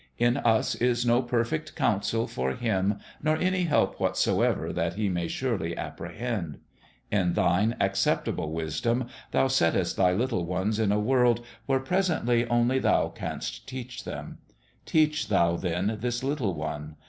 In us is no perfect counsel for him nor any help whatso ever that he may surely apprehend. In Thine acceptable wisdom Thou settest Thy little ones in a world where presently only Thou canst teach them: teach Thou then this little one.